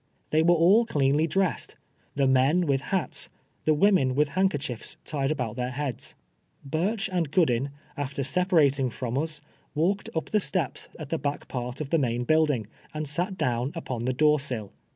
They were all cleanly dressed — the men with hats, the wo men with handkerchiefs tied about their lieads. Ihirch anil (iiioilin, after separating from ns, walk ed n]) the ste]>s at the back part of the main building, and sat down npon tlie door sill.